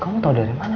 kamu tau dari mana